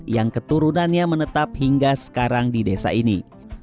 yang keturunannya menetap hingga sekarang di desa ini